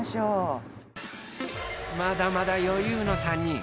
まだまだ余裕の３人。